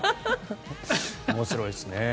面白いですね。